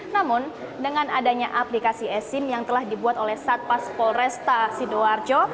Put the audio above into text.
namun dengan adanya aplikasi esim yang telah dibuat oleh satpas polresta sidoarjo